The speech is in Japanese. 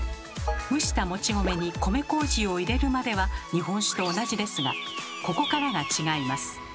蒸したもち米に米こうじを入れるまでは日本酒と同じですがここからが違います。